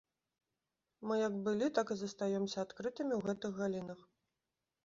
Мы як былі, так і застаёмся адкрытымі ў гэтых галінах.